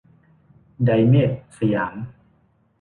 ไดเมท สยาม